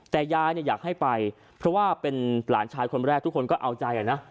แต่ยายเนี่ยอยากให้ไปเพราะว่าเป็นหลานชายคนแรกทุกคนก็เอาใจนะ